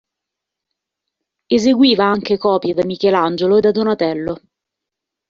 Eseguiva anche copie da Michelangiolo e da Donatello.